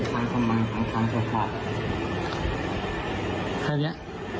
ทางสำมารถทางสำหรับแค่เนี้ยอ๋อ